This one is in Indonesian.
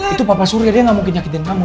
itu bapak surya dia gak mungkin nyakitin kamu